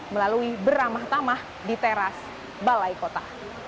melalui beramah tamah di teras balai kota